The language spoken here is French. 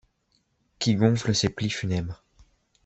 Qui gonfle ses plis funèbres